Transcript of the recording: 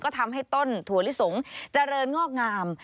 ก็ทำให้ต้นถั่วลิสงเจริญงอกงาม